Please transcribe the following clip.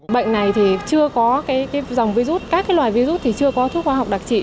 bệnh này thì chưa có dòng virus các loài virus thì chưa có thuốc khoa học đặc trị